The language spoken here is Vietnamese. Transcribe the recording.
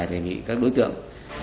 để bị các đối tượng